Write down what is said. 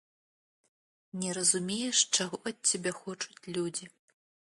Не разумееш, чаго ад цябе хочуць людзі.